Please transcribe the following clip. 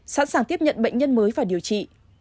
sẵn sàng tiếp nhận bệnh nhân mới và điều trị